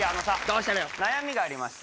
悩みがありまして。